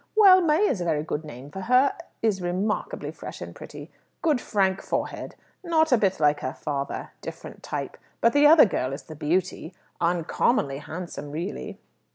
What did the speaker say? Well, May is a very good name for her is remarkably fresh and pretty. Good frank forehead. Not a bit like her father. Different type. But the other girl is the beauty. Uncommonly handsome, really."